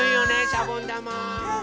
しゃぼんだま。